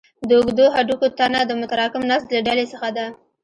د اوږدو هډوکو تنه د متراکم نسج له ډلې څخه ده.